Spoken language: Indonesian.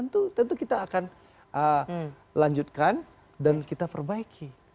tentu kita akan lanjutkan dan kita perbaiki